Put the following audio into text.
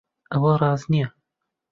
ئەوە ڕاست نییە.